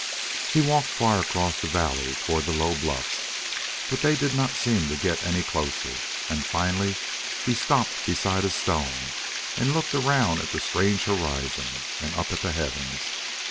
He walked far across the valley toward the low bluffs, but they did not seem to get any closer. And, finally, he stopped beside a stone and looked around at the strange horizon and up at the heavens.